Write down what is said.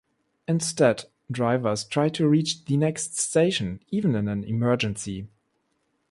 Instead drivers try to reach the next station, even in an emergency.